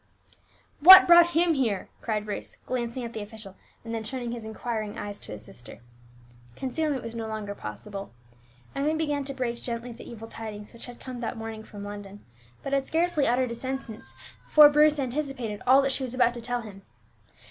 "What brought him here?" cried Bruce, glancing at the official, and then turning his inquiring eyes on his sister. Concealment was no longer possible; Emmie began to break gently the evil tidings which had come that morning from London, but had scarcely uttered a sentence before Bruce anticipated all that she was about to tell him.